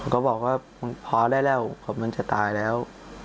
ก็บอกว่าพอได้แล้วมันจะตายแล้ว